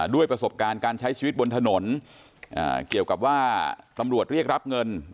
ด้วยประสบการณ์การใช้ชีวิตบนถนนเกี่ยวกับว่าตำรวจเรียกรับเงิน